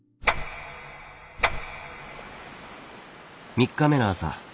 ３日目の朝。